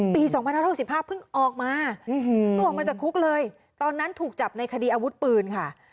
ปี๒๕๖๕เพิ่งออกมาเพิ่งออกมาจากคุกเลยตอนนั้นถูกจับในคดีอาวุธปืนค่ะ